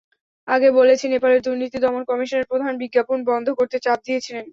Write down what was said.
আগে বলেছি নেপালের দুর্নীতি দমন কমিশনের প্রধান বিজ্ঞাপন বন্ধ করতে চাপ দিয়েছিলেন।